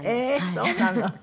そうなの？